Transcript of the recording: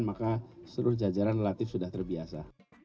maka seluruh jajaran relatif sudah terbiasa